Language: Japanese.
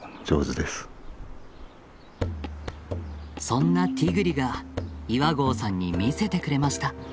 そんなティグリが岩合さんに見せてくれました。